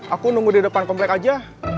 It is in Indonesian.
aku nunggu di depan komplek aja